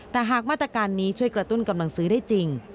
แต่หากมาตรการนี้ช่วยกระตุ้นกำลังซื้อได้จริง